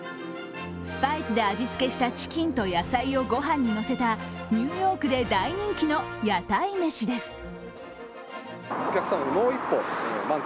スパイスで味付けしたチキンと野菜を御飯にのせたニューヨークで大人気の屋台メシです。